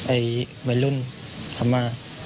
ไอ้วัยรุ่นธรรมา